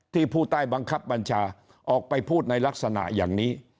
ผู้ใต้บังคับบัญชาออกไปพูดในลักษณะอย่างนี้